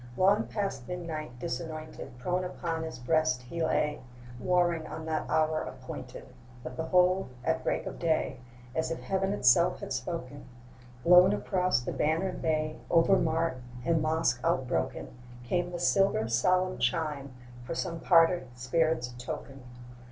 Long past midnight, disanointed, Prone upon his breast he lay, Warring on that hour appointed: But behold! at break of day, As if heaven itself had spoken, Blown across the bannered bay, Over mart and mosque outbroken, Came the silver solemn chime For some parted spirit's token!